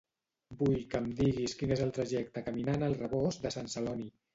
Vull que em diguis quin és el trajecte caminant al Rebost de Sant Celoni.